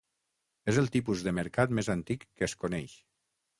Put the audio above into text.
És el tipus de mercat més antic que es coneix.